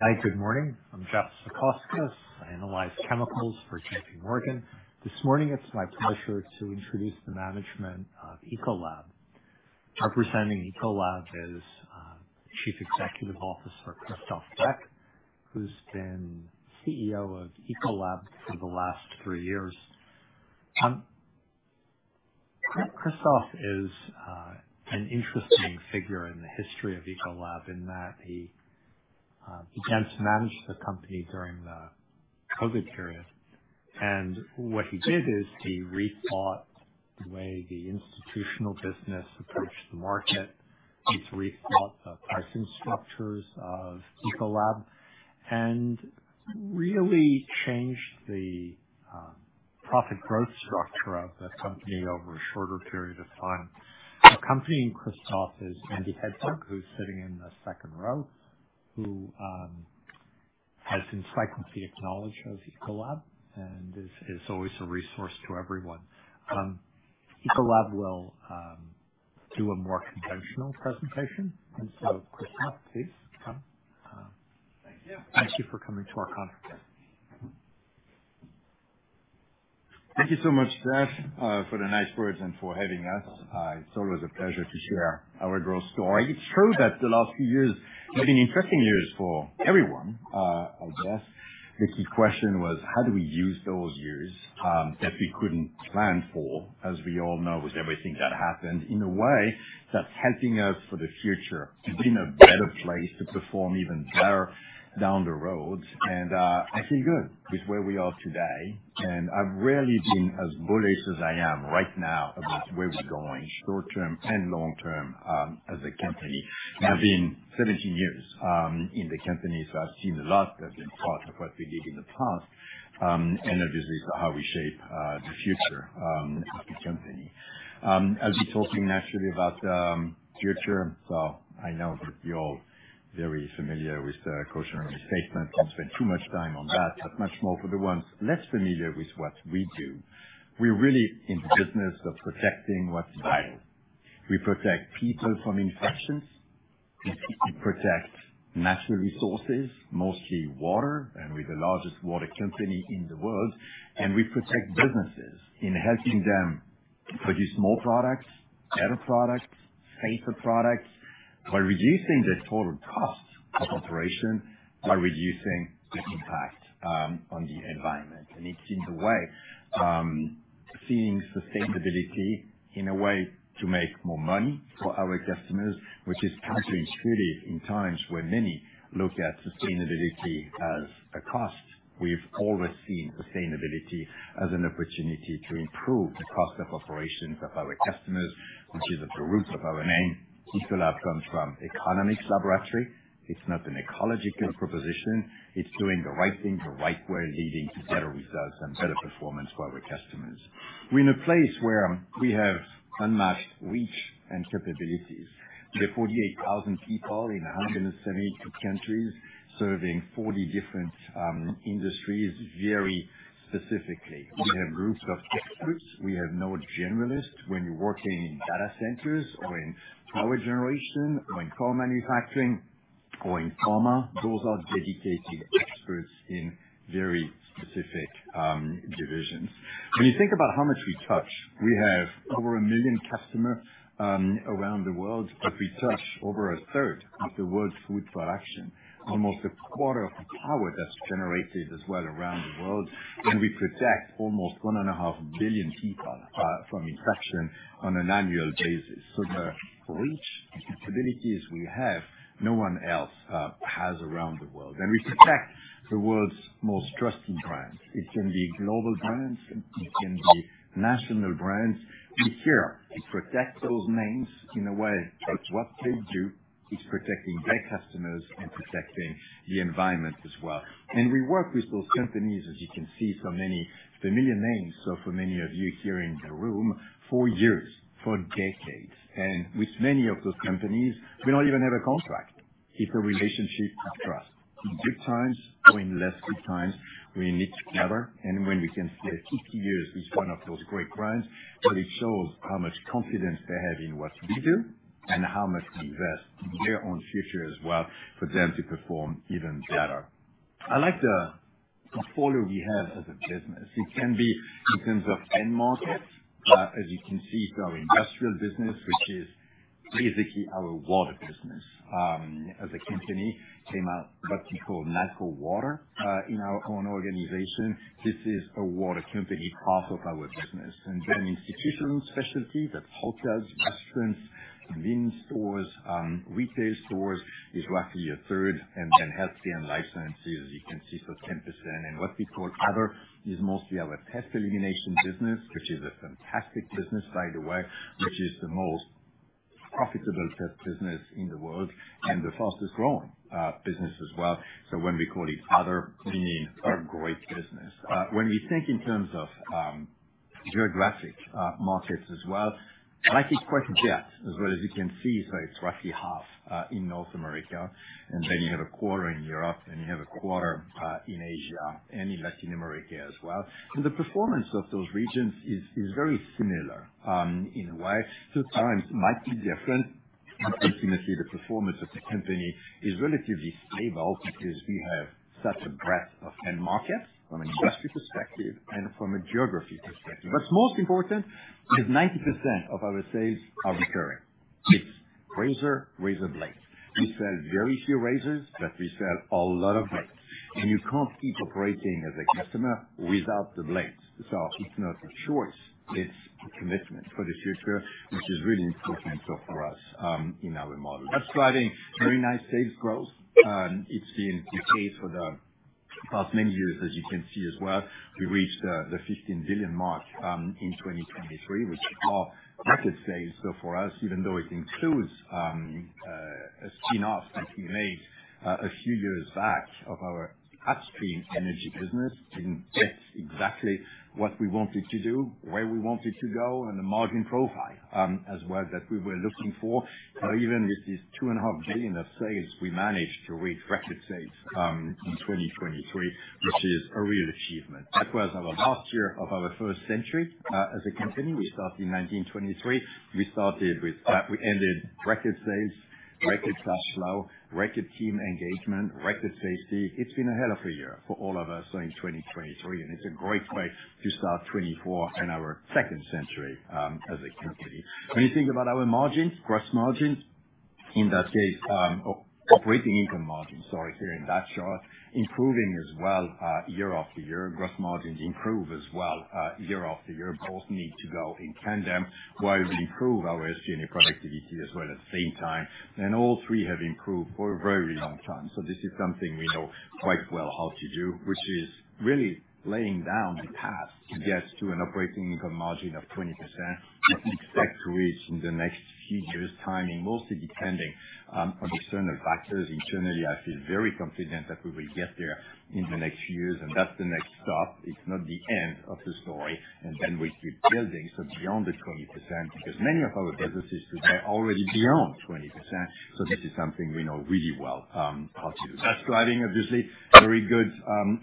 Hi, good morning. I'm Jeffrey Zekauskas. I analyze chemicals for J.P. Morgan. This morning it's my pleasure to introduce the management of Ecolab. Representing Ecolab is Chief Executive Officer Christophe Beck, who's been CEO of Ecolab for the last three years. Christophe is an interesting figure in the history of Ecolab in that he began to manage the company during the COVID period. What he did is he rethought the way the institutional business approached the market, he's rethought the pricing structures of Ecolab, and really changed the profit growth structure of the company over a shorter period of time. Accompanying Christophe is Andrew Hedberg, who's sitting in the second row, who has encyclopedic knowledge of Ecolab and is always a resource to everyone. Ecolab will do a more conventional presentation, and so Christophe, please come. Thank you. Thank you for coming to our conference. Thank you so much, Jeff, for the nice words and for having us. It's always a pleasure to share our growth story. It's true that the last few years have been interesting years for everyone, I guess. The key question was, how do we use those years that we couldn't plan for, as we all know with everything that happened, in a way that's helping us for the future to be in a better place to perform even better down the road? I feel good with where we are today, and I've rarely been as bullish as I am right now about where we're going, short-term and long-term, as a company. Now, I've been 17 years in the company, so I've seen a lot. I've been part of what we did in the past, and obviously it's how we shape the future of the company. I'll be talking naturally about the future, so I know that you're all very familiar with the cautionary statement. Don't spend too much time on that, but much more for the ones less familiar with what we do. We're really in the business of protecting what's vital. We protect people from infections. We protect natural resources, mostly water, and we're the largest water company in the world. And we protect businesses in helping them produce more products, better products, safer products, while reducing the total cost of operation, while reducing the impact on the environment. And it's in the way seeing sustainability in a way to make more money for our customers, which is counterintuitive in times where many look at sustainability as a cost. We've always seen sustainability as an opportunity to improve the cost of operations of our customers, which is at the root of our name. Ecolab comes from economics laboratory. It's not an ecological proposition. It's doing the right thing the right way, leading to better results and better performance for our customers. We're in a place where we have unmatched reach and capabilities. We have 48,000 people in 172 countries serving 40 different industries very specifically. We have groups of experts. We have no generalists. When you're working in data centers or in power generation or in car manufacturing or in pharma, those are dedicated experts in very specific divisions. When you think about how much we touch, we have over 1 million customers around the world, but we touch over a third of the world's food production, almost a quarter of the power that's generated as well around the world. And we protect almost 1.5 billion people from infection on an annual basis. So the reach and capabilities we have, no one else has around the world. And we protect the world's most trusted brands. It can be global brands. It can be national brands. We care to protect those names in a way that what they do is protecting their customers and protecting the environment as well. And we work with those companies, as you can see, so many familiar names, so for many of you here in the room, for years, for decades. And with many of those companies, we don't even have a contract. It's a relationship of trust. In good times or in less good times, we need to gather. And when we can see after 50 years which one of those great brands, well, it shows how much confidence they have in what we do and how much we invest in their own future as well for them to perform even better. I like the portfolio we have as a business. It can be in terms of end market. As you can see, it's our industrial business, which is basically our water business. As a company, we came out with what we call Nalco Water in our own organization. This is a water company part of our business. And then institutional specialty that's hotels, restaurants, convenience stores, retail stores is roughly a third. And then healthcare and life sciences, as you can see, so 10%. What we call other is mostly our pest elimination business, which is a fantastic business, by the way, which is the most profitable pest business in the world and the fastest-growing business as well. When we call it other, we mean our great business. When we think in terms of geographic markets as well, I like it quite a bit, as well as you can see. It's roughly half in North America, and then you have a quarter in Europe, and you have a quarter in Asia, and in Latin America as well. The performance of those regions is very similar in a way. Sometimes it might be different, but ultimately, the performance of the company is relatively stable because we have such a breadth of end markets from an industry perspective and from a geography perspective. What’s most important is 90% of our sales are recurring. It’s razor, razor blades. We sell very few razors, but we sell a lot of blades. You can’t keep operating as a customer without the blades. It’s not a choice. It’s a commitment for the future, which is really important, so for us, in our model. That’s driving very nice sales growth. It’s been the case for the past many years, as you can see as well. We reached the $15 billion mark in 2023, which are record sales. For us, even though it includes a spinoff that we made a few years back of our upstream energy business, it gets exactly what we wanted to do, where we wanted to go, and the margin profile as well that we were looking for. So even with these $2.5 billion of sales, we managed to reach record sales in 2023, which is a real achievement. That was our last year of our first century as a company. We started in 1923. We ended record sales, record cash flow, record team engagement, record safety. It's been a hell of a year for all of us in 2023, and it's a great way to start 2024 and our second century as a company. When you think about our margins, gross margins, in that case, operating income margins, sorry, here in that chart, improving as well year after year. Gross margins improve as well year after year. Both need to go in tandem while we improve our SG&A productivity as well at the same time. All three have improved for a very, very long time. So this is something we know quite well how to do, which is really laying down the path to get to an operating income margin of 20% that we expect to reach in the next few years, timing mostly depending on external factors. Internally, I feel very confident that we will get there in the next few years, and that's the next stop. It's not the end of the story, and then we keep building so beyond the 20% because many of our businesses today are already beyond 20%. So this is something we know really well how to do. That's driving, obviously, very good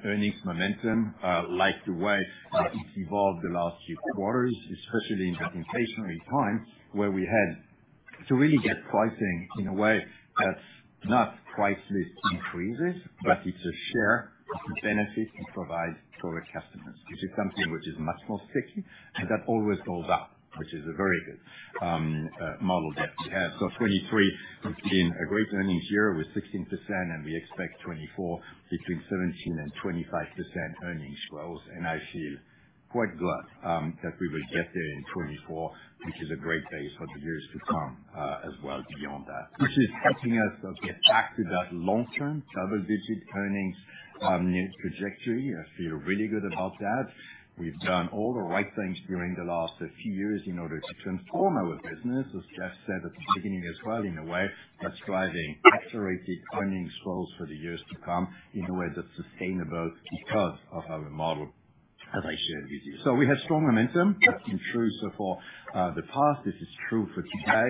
earnings momentum, like the way it's evolved the last few quarters, especially in the inflationary time where we had to really get pricing in a way that's not price list increases, but it's a share of the benefit we provide for our customers, which is something which is much more sticky, and that always goes up, which is a very good model that we have. So 2023 has been a great earnings year with 16%, and we expect 2024 between 17%-25% earnings growth. And I feel quite glad that we will get there in 2024, which is a great base for the years to come as well beyond that, which is helping us get back to that long-term double-digit earnings trajectory. I feel really good about that. We've done all the right things during the last few years in order to transform our business, as Jeff said at the beginning as well, in a way. That's driving accelerated earnings growth for the years to come in a way that's sustainable because of our model, as I shared with you. So we have strong momentum. That's been true so far the past. This is true for today.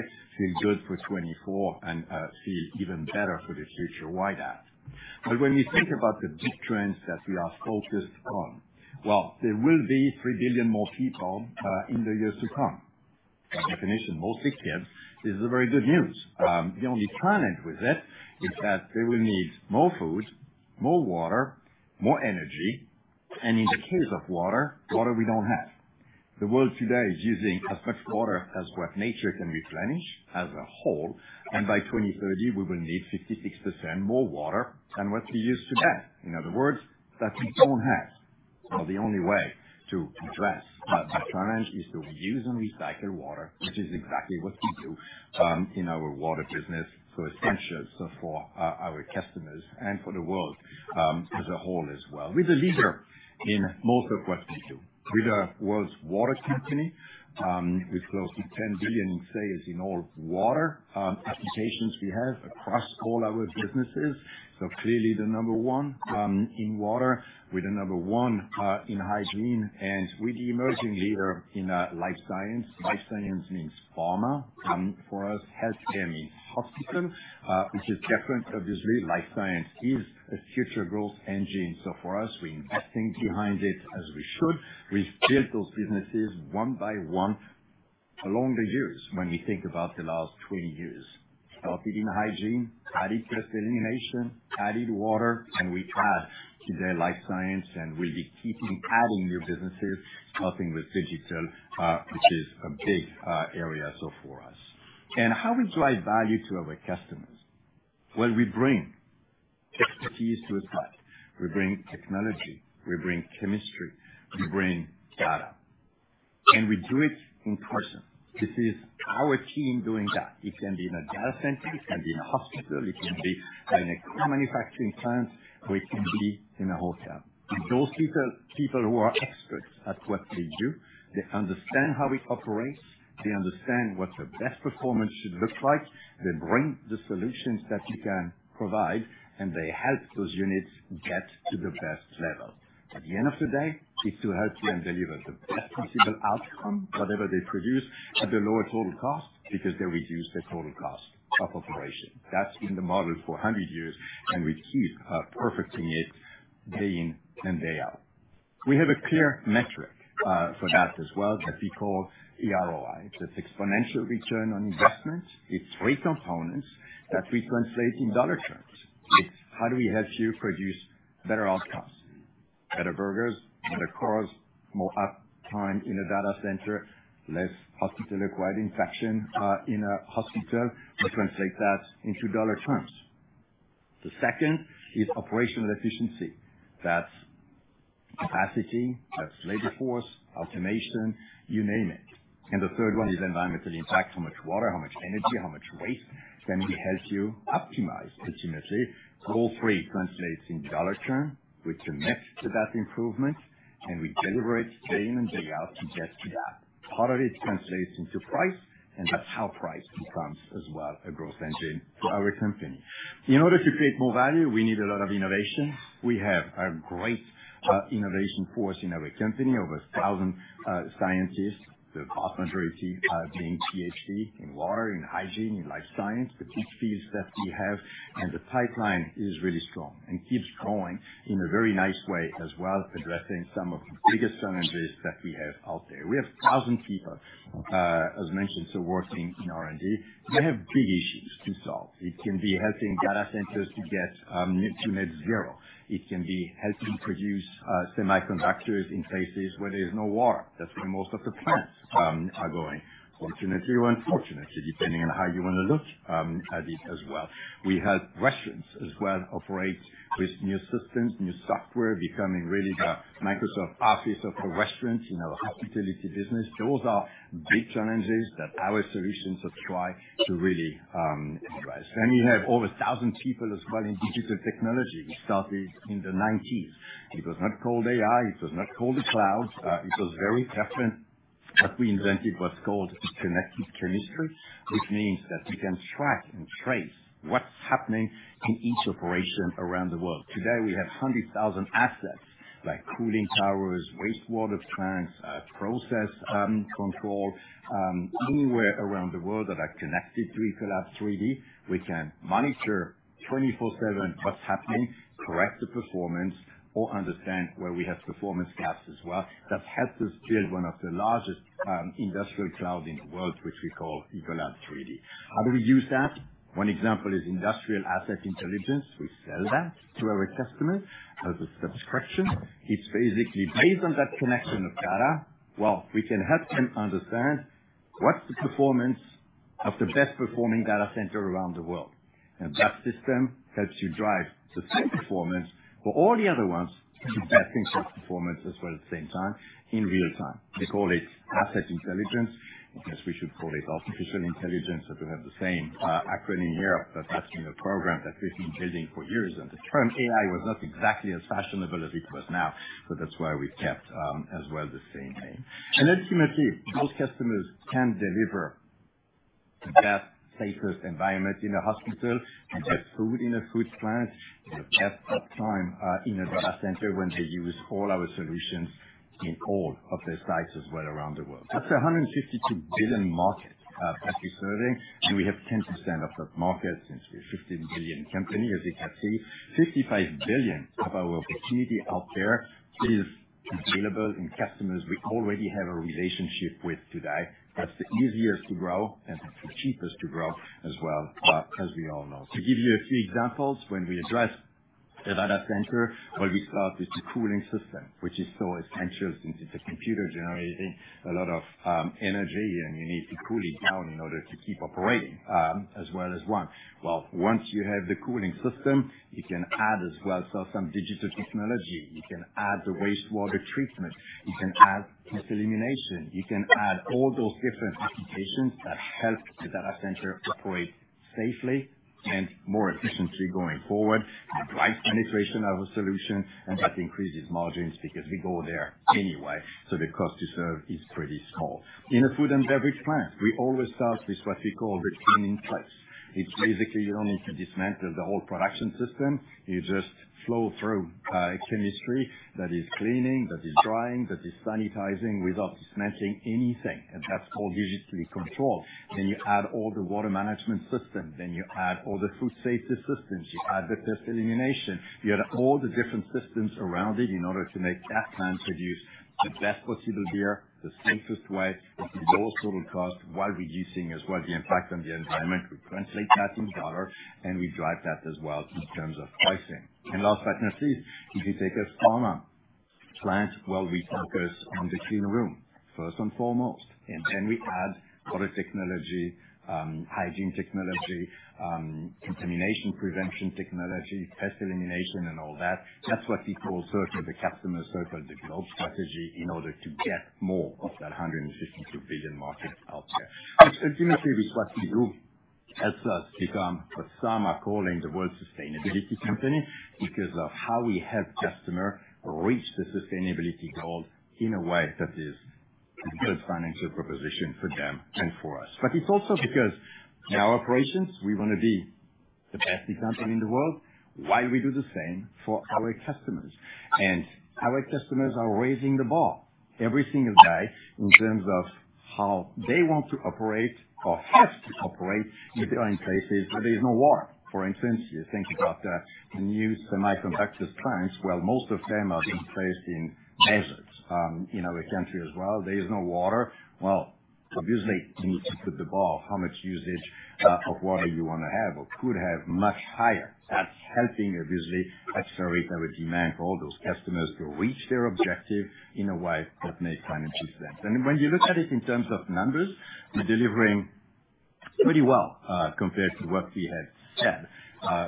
Feel good for 2024 and feel even better for the future. Why that? But when we think about the big trends that we are focused on, well, there will be 3 billion more people in the years to come. By definition, mostly kids. This is very good news. The only challenge with it is that they will need more food, more water, more energy. And in the case of water, water we don't have. The world today is using as much water as what nature can replenish as a whole, and by 2030, we will need 56% more water than what we use today. In other words, that we don't have. So the only way to address that challenge is to reuse and recycle water, which is exactly what we do in our water business, so essential for our customers and for the world as a whole as well, we're a leader in most of what we do. We're the world's water company with close to $10 billion in sales in all water applications we have across all our businesses. So clearly, the number one in water, we're the number one in hygiene, and we're the emerging leader in life science. Life science means pharma. For us, healthcare means hospital, which is different, obviously. Life science is a future growth engine. So for us, we're investing behind it as we should. We've built those businesses one by one along the years when we think about the last 20 years, started in hygiene, added pest elimination, added water, and we add today Life Sciences, and we'll be keeping adding new businesses, starting with digital, which is a big area so far for us. And how we drive value to our customers? Well, we bring expertise to a site. We bring technology. We bring chemistry. We bring data. And we do it in person. This is our team doing that. It can be in a data center. It can be in a hospital. It can be in a car manufacturing plant, or it can be in a hotel. And those people who are experts at what they do, they understand how it operates. They understand what the best performance should look like. They bring the solutions that we can provide, and they help those units get to the best level. At the end of the day, it's to help you and deliver the best possible outcome, whatever they produce, at the lower total cost because they reduce the total cost of operation. That's been the model for 100 years, and we keep perfecting it day in and day out. We have a clear metric for that as well that we call eROI. It's exponential return on investment. It's three components that we translate in dollar terms. It's how do we help you produce better outcomes, better burgers, better cars, more uptime in a data center, less hospital-acquired infection in a hospital. We translate that into dollar terms. The second is operational efficiency. That's capacity. That's labor force, automation, you name it. And the third one is environmental impact. How much water, how much energy, how much waste can we help you optimize ultimately? All three translates in dollar terms. We commit to that improvement, and we deliver it day in and day out to get to that. Part of it translates into price, and that's how price becomes as well a growth engine for our company. In order to create more value, we need a lot of innovation. We have a great innovation force in our company, over 1,000 scientists, the vast majority being Ph.D.s in water, in hygiene, in life sciences, the big fields that we have. The pipeline is really strong and keeps growing in a very nice way as well, addressing some of the biggest challenges that we have out there. We have 1,000 people, as mentioned, so working in R&D. We have big issues to solve. It can be helping data centers to get to Net Zero. It can be helping produce semiconductors in places where there's no water. That's where most of the plants are going, fortunately or unfortunately, depending on how you want to look at it as well. We help restaurants as well operate with new systems, new software, becoming really the Microsoft Office of the restaurant in our hospitality business. Those are big challenges that our solutions try to really address. We have over 1,000 people as well in digital technology. We started in the 1990s. It was not called AI. It was not called the cloud. It was very different. But we invented what's called Connected Chemistry, which means that we can track and trace what's happening in each operation around the world. Today, we have 100,000 assets like cooling towers, wastewater tanks, process control anywhere around the world that are connected to Ecolab 3D. We can monitor 24/7 what's happening, correct the performance, or understand where we have performance gaps as well. That's helped us build one of the largest industrial clouds in the world, which we call Ecolab 3D. How do we use that? One example is industrial asset intelligence. We sell that to our customers as a subscription. It's basically based on that connection of data. Well, we can help them understand what's the performance of the best performing data center around the world. And that system helps you drive the same performance for all the other ones to get things like performance as well at the same time in real time. We call it asset intelligence. I guess we should call it artificial intelligence. We have the same acronym here, but that's a new program that we've been building for years. The term AI was not exactly as fashionable as it is now, so that's why we kept as well the same name. Ultimately, those customers can deliver the best, safest environment in a hospital, the best food in a food plant, the best uptime in a data center when they use all our solutions in all of their sites as well around the world. That's a $152 billion market that we're serving, and we have 10% of that market since we're a $15 billion company, as you can see. $55 billion of our opportunity out there is available in customers we already have a relationship with today. That's the easiest to grow and the cheapest to grow as well, as we all know. To give you a few examples, when we address a data center, what we start with is the cooling system, which is so essential since it's a computer generating a lot of energy, and you need to cool it down in order to keep operating as well as one. Well, once you have the cooling system, you can add as well some digital technology. You can add the wastewater treatment. You can add pest elimination. You can add all those different applications that help the data center operate safely and more efficiently going forward, drive penetration of a solution, and that increases margins because we go there anyway, so the cost to serve is pretty small. In a food and beverage plant, we always start with what we call the clean-in-place. It's basically you don't need to dismantle the whole production system. You just flow through chemistry that is cleaning, that is drying, that is sanitizing without dismantling anything. And that's all digitally controlled. Then you add all the water management system. Then you add all the food safety systems. You add the pest elimination. You add all the different systems around it in order to make that plant produce the best possible beer the safest way with the lowest total cost while reducing as well the impact on the environment. We translate that in dollar, and we drive that as well in terms of pricing. And last but not least, if you take a pharma plant, well, we focus on the clean room first and foremost, and then we add water technology, hygiene technology, contamination prevention technology, pest elimination, and all that. That's what we call the customer circle develop strategy in order to get more of that $152 billion market out there. But ultimately, it's what we do helps us become what some are calling the world's sustainability company because of how we help customers reach the sustainability goal in a way that is a good financial proposition for them and for us. But it's also because in our operations, we want to be the best example in the world while we do the same for our customers. And our customers are raising the bar every single day in terms of how they want to operate or have to operate if they are in places where there's no water. For instance, think about the new semiconductor plants. Well, most of them are being placed in deserts in our country as well. There's no water. Well, obviously, you need to put the bar of how much usage of water you want to have or could have much higher. That's helping, obviously, accelerate our demand for all those customers to reach their objective in a way that makes financial sense. And when you look at it in terms of numbers, we're delivering pretty well compared to what we had said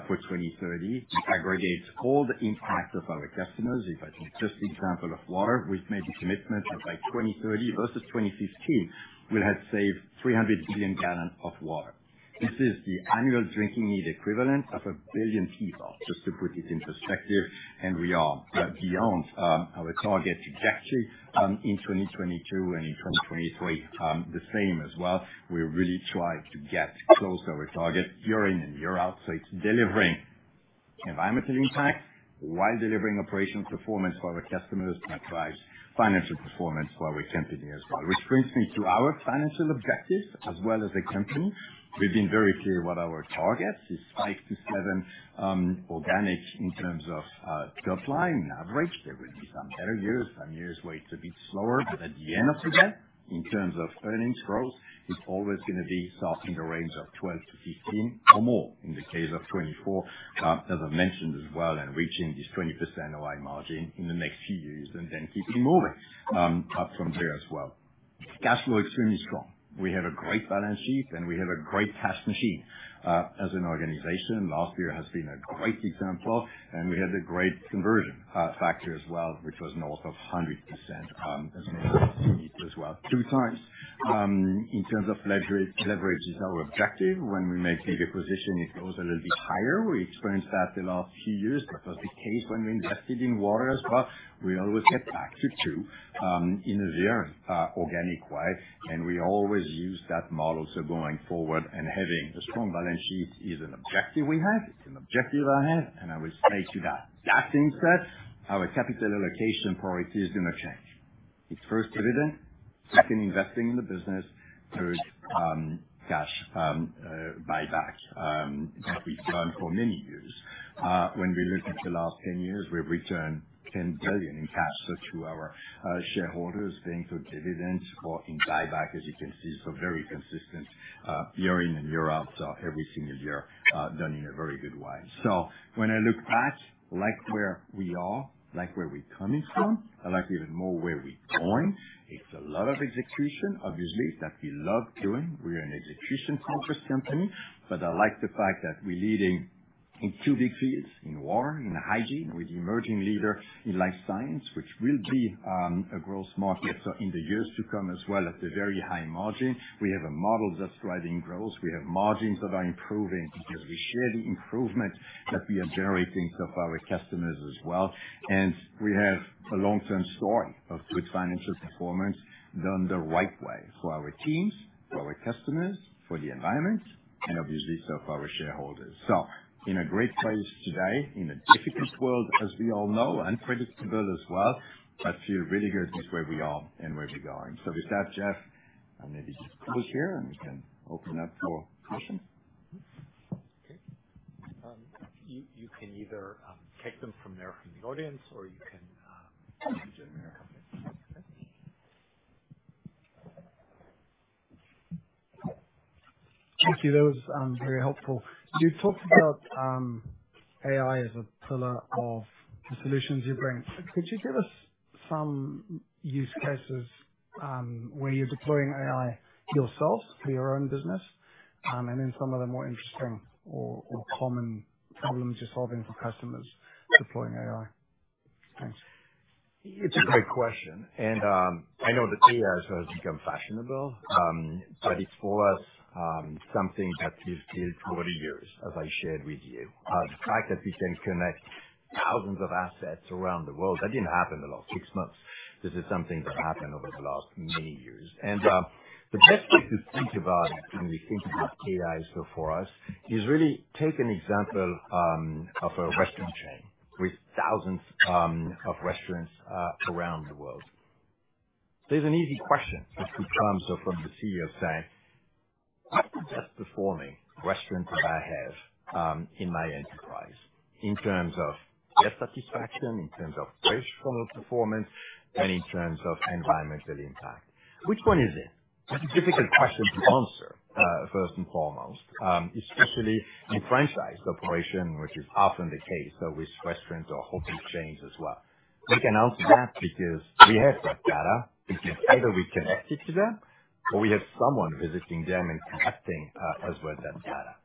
for 2030. We aggregate all the impact of our customers. If I take just the example of water, we've made the commitment that by 2030 versus 2015, we'll have saved 300 billion gallons of water. This is the annual drinking need equivalent of 1 billion people, just to put it in perspective. And we are beyond our target trajectory in 2022 and in 2023, the same as well. We really try to get close to our target year in and year out. So it's delivering environmental impact while delivering operational performance for our customers that drives financial performance for our company as well, which brings me to our financial objectives as a company. We've been very clear what our target is, 5-7 organic in terms of top line and average. There will be some better years. Some years will be a bit slower. But at the end of the day, in terms of earnings growth, it's always going to be something in the range of 12-15 or more in the case of 2024, as I mentioned as well, and reaching this 20% NOI margin in the next few years and then keeping moving up from there as well. Cash flow is extremely strong. We have a great balance sheet, and we have a great cash machine. As an organization, last year has been a great example, and we had a great conversion factor as well, which was north of 100%, as mentioned to you as well, two times. In terms of leverage, it's our objective. When we make big acquisitions, it goes a little bit higher. We experienced that the last few years. That was the case when we invested in water as well. We always get back to 2 in a year organic way, and we always use that model so going forward. And having a strong balance sheet is an objective we have. It's an objective I have, and I will say to that, "That being said, our capital allocation priority is going to change." It's first dividend, second investing in the business, third cash buyback that we've done for many years. When we look at the last 10 years, we've returned $10 billion in cash to our shareholders being through dividends or in buyback, as you can see. So very consistent year in and year out, every single year done in a very good way. So when I look back, like where we are, like where we're coming from, I like even more where we're going. It's a lot of execution, obviously, that we love doing. We're an execution-focused company, but I like the fact that we're leading in two big fields, in water, in hygiene, with the emerging leader in life science, which will be a growth market. So in the years to come as well, at the very high margin, we have a model that's driving growth. We have margins that are improving because we share the improvements that we are generating for our customers as well. We have a long-term story of good financial performance done the right way for our teams, for our customers, for the environment, and obviously, so for our shareholders. So in a great place today, in a difficult world as we all know, unpredictable as well, but feel really good with where we are and where we're going. So with that, Jeff, I maybe just close here, and we can open up for questions. Okay. You can either take them from there from the audience, or you can generate a comment. Okay. Thank you. That was very helpful. You talked about AI as a pillar of the solutions you bring. Could you give us some use cases where you're deploying AI yourselves for your own business, and then some of the more interesting or common problems you're solving for customers deploying AI? Thanks. It's a great question. And I know that AI has become fashionable, but it's for us something that we've built over the years, as I shared with you. The fact that we can connect thousands of assets around the world, that didn't happen the last six months. This is something that happened over the last many years. And the best way to think about it when we think about AI so far is really take an example of a restaurant chain with thousands of restaurants around the world. There's an easy question that comes from the CEO saying, "What's the best performing restaurant that I have in my enterprise in terms of guest satisfaction, in terms of personal performance, and in terms of environmental impact? Which one is it?" That's a difficult question to answer, first and foremost, especially in franchise operation, which is often the case with restaurants or hotel chains as well. We can answer that because we have that data. It's either we connect it to them, or we have someone visiting them and collecting as well that data.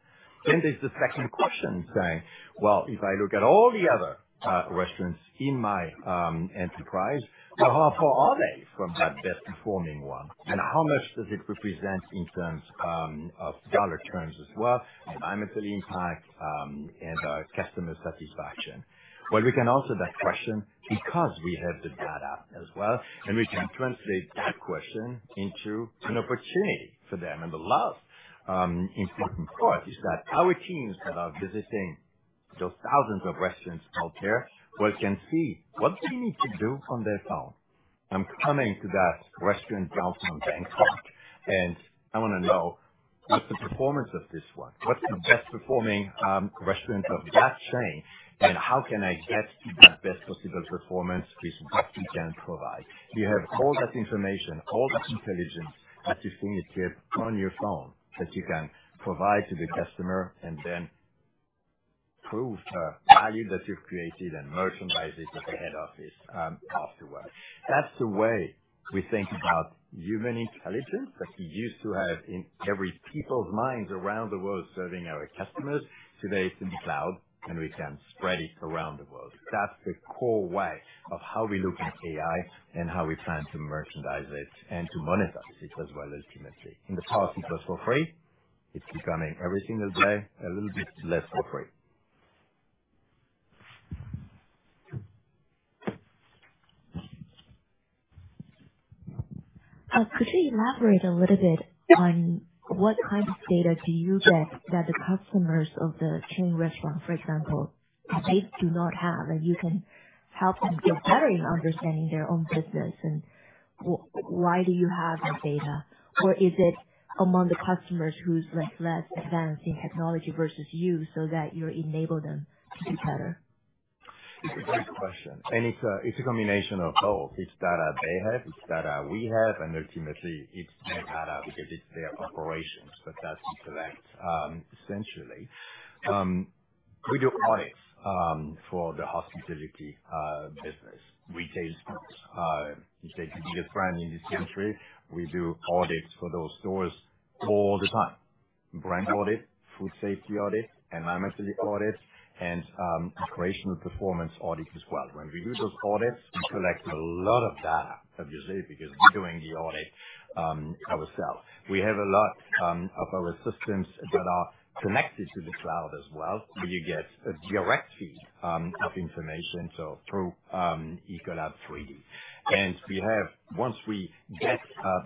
Then there's the second question saying, "Well, if I look at all the other restaurants in my enterprise, how far are they from that best performing one, and how much does it represent in terms of dollar terms as well, environmental impact, and customer satisfaction?" Well, we can answer that question because we have the data as well, and we can translate that question into an opportunity for them. And the last important part is that our teams that are visiting those thousands of restaurants out there, well, can see what they need to do on their phone. I'm coming to that restaurant downtown Bangkok, and I want to know what's the performance of this one? What's the best performing restaurant of that chain, and how can I get to that best possible performance with what we can provide? You have all that information, all that intelligence at your fingertip on your phone that you can provide to the customer and then prove the value that you've created and merchandise it at the head office afterward. That's the way we think about human intelligence that we used to have in every people's minds around the world serving our customers. Today, it's in the cloud, and we can spread it around the world. That's the core way of how we look at AI and how we plan to merchandise it and to monetize it as well, ultimately. In the past, it was for free. It's becoming every single day a little bit less for free. Could you elaborate a little bit on what kind of data do you get that the customers of the chain restaurant, for example, they do not have, and you can help them get better in understanding their own business? And why do you have that data? Or is it among the customers who's less advanced in technology versus you so that you enable them to do better? It's a great question, and it's a combination of both. It's data they have. It's data we have. And ultimately, it's their data because it's their operations, but that we collect centrally. We do audits for the hospitality business, retail stores. It's the biggest brand in this country. We do audits for those stores all the time: brand audit, food safety audit, environmental audit, and operational performance audit as well. When we do those audits, we collect a lot of data, obviously, because we're doing the audit ourselves. We have a lot of our systems that are connected to the cloud as well where you get a direct feed of information, so through Ecolab 3D. And once we get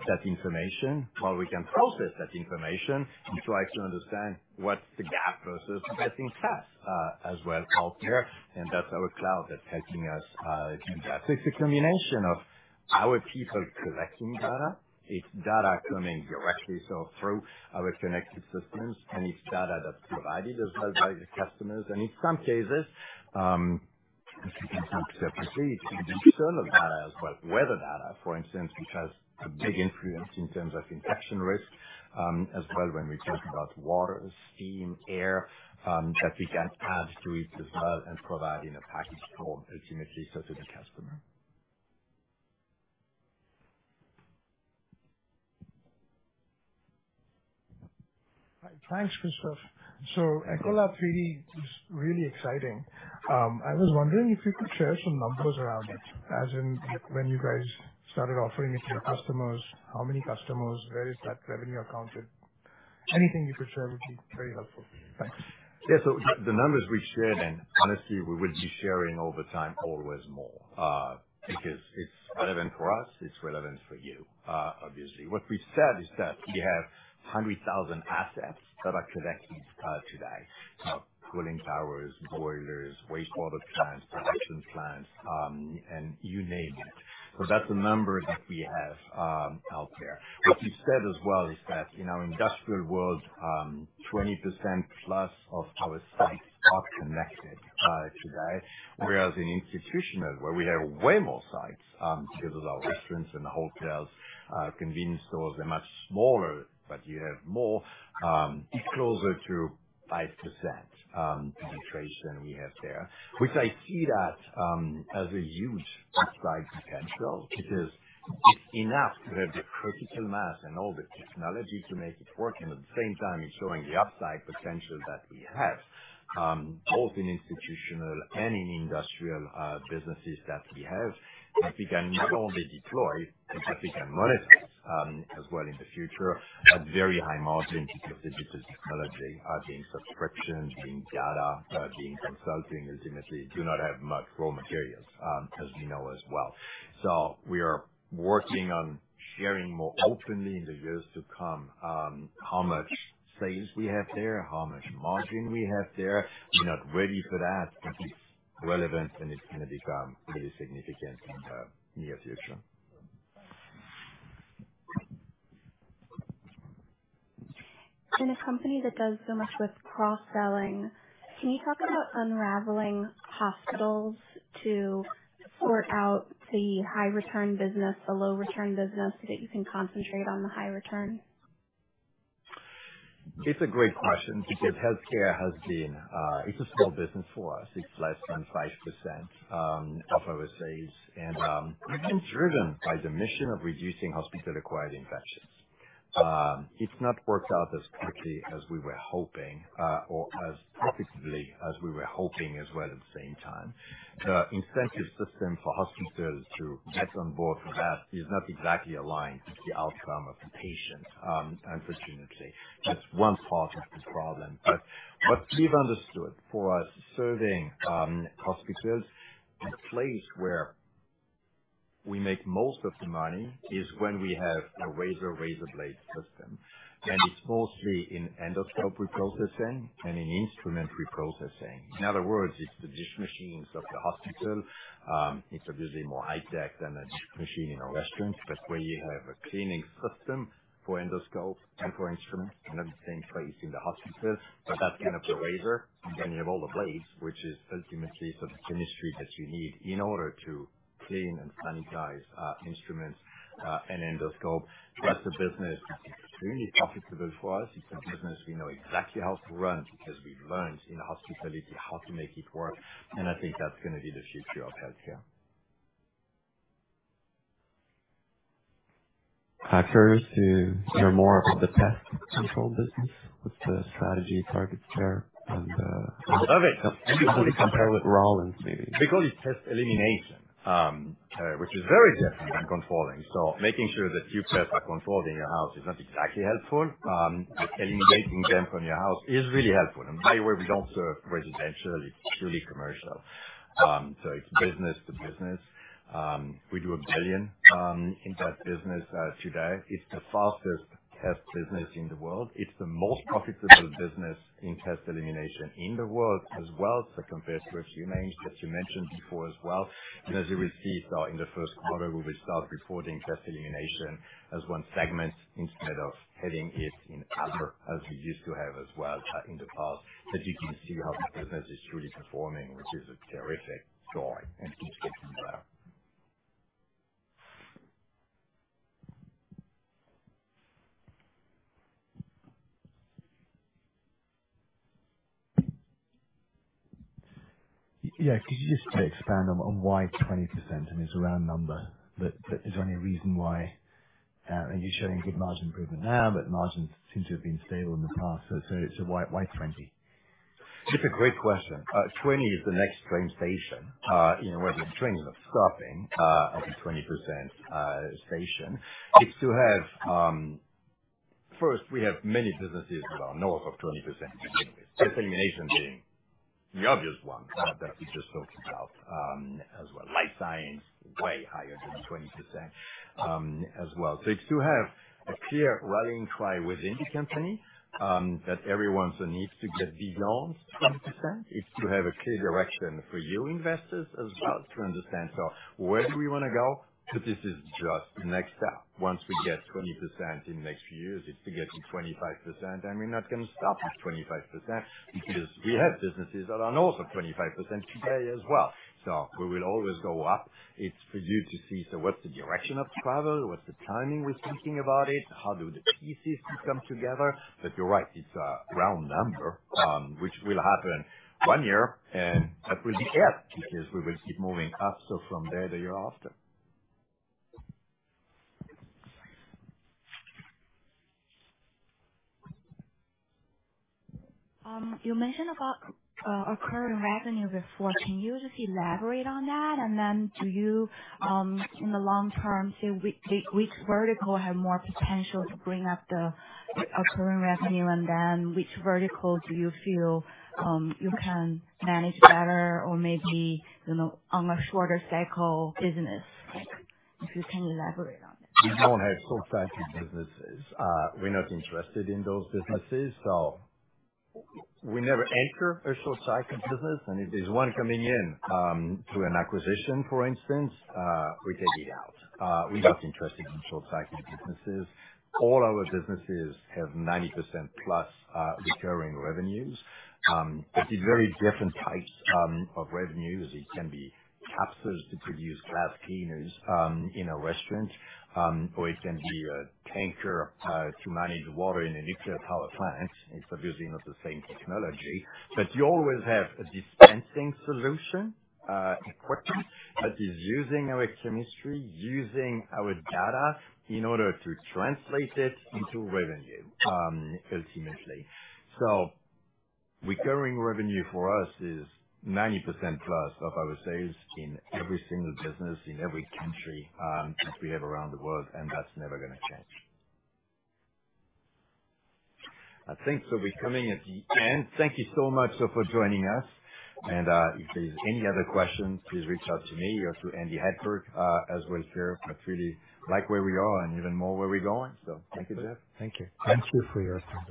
that information, well, we can process that information and try to understand what's the gap versus the best in class as well out there. And that's our cloud that's helping us do that. So it's a combination of our people collecting data. It's data coming directly, so through our connected systems, and it's data that's provided as well by the customers. And in some cases, if you can think separately, it's conventional data as well, weather data, for instance, which has a big influence in terms of infection risk as well when we talk about water, steam, air that we can add to it as well and provide in a packaged form, ultimately, so to the customer. Thanks, Christophe. So Ecolab 3D is really exciting. I was wondering if you could share some numbers around it, as in when you guys started offering it to your customers, how many customers, where is that revenue accounted? Anything you could share would be very helpful. Thanks. Yeah. So the numbers we shared, and honestly, we will be sharing over time always more because it's relevant for us. It's relevant for you, obviously. What we've said is that we have 100,000 assets that are connected today: cooling towers, boilers, wastewater plants, production plants, and you name it. So that's a number that we have out there. What we've said as well is that in our industrial world, 20%+ of our sites are connected today, whereas in institutional, where we have way more sites because of our restaurants and hotels, convenience stores, they're much smaller, but you have more, it's closer to 5% penetration we have there, which I see that as a huge upside potential because it's enough to have the critical mass and all the technology to make it work. At the same time, it's showing the upside potential that we have, both in institutional and in industrial businesses that we have that we can not only deploy but that we can monetize as well in the future at very high margin because the digital technology being subscriptions, being data, being consulting, ultimately, do not have much raw materials, as we know as well. We are working on sharing more openly in the years to come how much sales we have there, how much margin we have there. We're not ready for that, but it's relevant, and it's going to become really significant in the near future. In a company that does so much with cross-selling, can you talk about unraveling hospitals to sort out the high-return business, the low-return business so that you can concentrate on the high return? It's a great question because healthcare has been. It's a small business for us. It's less than 5% of our sales, and we've been driven by the mission of reducing hospital-acquired infections. It's not worked out as quickly as we were hoping or as effectively as we were hoping as well at the same time. The incentive system for hospitals to get on board for that is not exactly aligned with the outcome of the patient, unfortunately. That's one part of the problem. But what we've understood for us serving hospitals, the place where we make most of the money is when we have a razor-razor blade system, and it's mostly in endoscope reprocessing and in instrument reprocessing. In other words, it's the dish machines of the hospital. It's obviously more high-tech than a dish machine in a restaurant, but where you have a cleaning system for endoscopes and for instruments and at the same place in the hospital, but that's kind of the razor, and then you have all the blades, which is ultimately sort of chemistry that you need in order to clean and sanitize instruments and endoscope. That's a business that's extremely profitable for us. It's a business we know exactly how to run because we've learned in hospitality how to make it work, and I think that's going to be the future of healthcare. Factors to hear more about the pest control business? What's the strategy targets there? I love it. You can probably compare it with Rollins maybe. Because it's pest elimination, which is very different than controlling. Making sure that few pests are controlled in your house is not exactly helpful. Eliminating them from your house is really helpful. By the way, we don't serve residential. It's purely commercial. It's business to business. We do $1 billion in that business today. It's the fastest pest business in the world. It's the most profitable business in pest elimination in the world as well, so compared to a few names that you mentioned before as well. As you will see, in the first quarter, we will start reporting pest elimination as one segment instead of having it in other as we used to have as well in the past, that you can see how the business is truly performing, which is a terrific story and keeps getting better. Yeah. Could you just expand on why 20%? I mean, it's a round number, but is there any reason why? And you're showing good margin improvement now, but margins seem to have been stable in the past. So why 20%? It's a great question. 20 is the next train station. Whether the trains are stopping at the 20% station, it's to have first, we have many businesses that are north of 20% to begin with, pest elimination being the obvious one that we just talked about as well. Life science, way higher than 20% as well. So it's to have a clear rallying cry within the company that everyone's a need to get beyond 20%. It's to have a clear direction for you investors as well to understand, "So where do we want to go?" But this is just the next step. Once we get 20% in the next few years, it's to get to 25%, and we're not going to stop at 25% because we have businesses that are north of 25% today as well. So we will always go up. It's for you to see, "So what's the direction of travel? What's the timing we're thinking about it? How do the pieces come together?" But you're right. It's a round number, which will happen one year, and that will be it because we will keep moving up, so from there, the year after. You mentioned recurring revenue before. Can you just elaborate on that? And then do you, in the long term, say which vertical have more potential to bring up the recurring revenue, and then which vertical do you feel you can manage better or maybe on a shorter cycle business? If you can elaborate on that. We don't have short-cycle businesses. We're not interested in those businesses, so we never enter a short-cycle business. And if there's one coming in through an acquisition, for instance, we take it out. We're not interested in short-cycle businesses. All our businesses have 90%+ recurring revenues. It's very different types of revenues. It can be capsules to produce glass cleaners in a restaurant, or it can be a tanker to manage water in a nuclear power plant. It's obviously not the same technology, but you always have a dispensing solution equipment that is using our chemistry, using our data in order to translate it into revenue, ultimately. So recurring revenue for us is 90%+ of our sales in every single business in every country that we have around the world, and that's never going to change. I think so we're coming at the end. Thank you so much for joining us. If there's any other questions, please reach out to me or to Andy Hedberg as well here. I really like where we are and even more where we're going, so thank you, Jeff. Thank you. Thank you for your time.